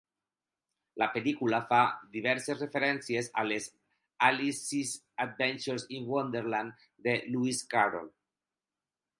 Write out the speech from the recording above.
La pel·lícula fa diverses referències a les "Alice's Adventures in Wonderland" de Lewis Carroll.